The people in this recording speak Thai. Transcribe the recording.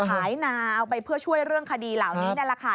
หายนาออกไปเพื่อช่วยเรื่องคดีเหล่านี้